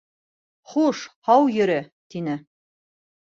Хуш, һау йөрө! — тине.